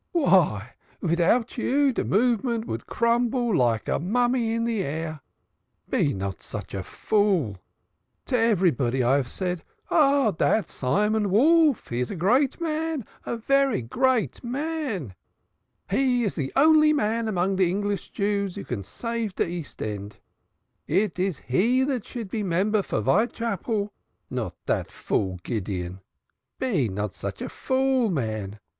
"Vy midout you de movement vould crumble like a mummy in de air; be not such a fool man. To everybody I haf said ah, dat Simon Wolf he is a great man, a vair great man; he is de only man among de English Jews who can save de East End; it is he that should be member for Vitechapel not that fool man Gideon. Be not such a fool man!